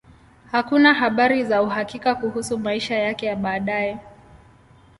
Hakuna habari za uhakika kuhusu maisha yake ya baadaye.